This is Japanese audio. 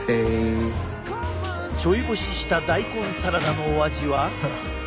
ちょい干しした大根サラダのお味は？